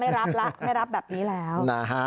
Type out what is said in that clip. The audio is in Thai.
ไม่รับแล้วไม่รับแบบนี้แล้วนะฮะ